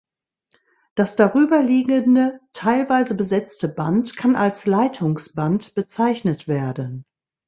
Das darüberliegende teilweise besetzte Band kann als Leitungsband bezeichnet werden.